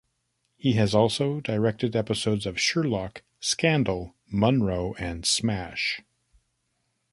He has also directed episodes of "Sherlock", "Scandal", "Monroe" and "Smash".